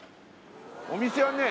お店はね